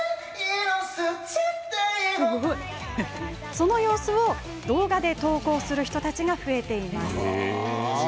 その様子を動画で投稿する人たちが増えています。